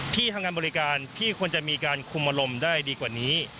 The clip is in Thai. ที่ทำงานบริการที่ควรจะมีการคุมอารมณ์ได้ดีกว่านี้